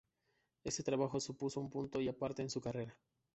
Este trabajo supuso un punto y aparte en su carrera.